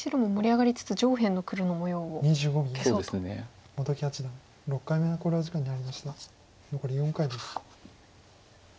残り４回です。